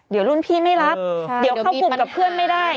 เดี๋ยวรุ่นพี่ไม่รับเดี๋ยวเข้ากลุ่มกับเพื่อนไม่ได้